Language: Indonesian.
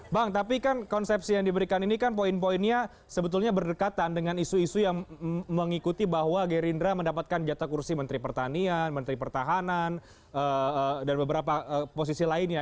bang tapi kan konsepsi yang diberikan ini kan poin poinnya sebetulnya berdekatan dengan isu isu yang mengikuti bahwa gerindra mendapatkan jatah kursi menteri pertanian menteri pertahanan dan beberapa posisi lainnya